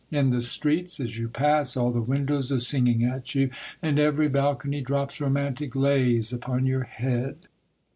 In the streets, as you pass, all the windows are singing at you, and every balcony drops romantic lays upon your head